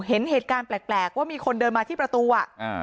เห็นเหตุการณ์แปลกแปลกว่ามีคนเดินมาที่ประตูอ่ะอ่า